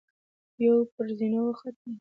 يوه پر زينو وخته.